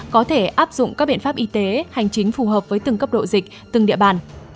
có thể áp dụng các biện pháp y tế hành chính phù hợp với từng cấp độ dịch từng địa bàn